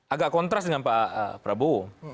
agak kontras dengan pak prabowo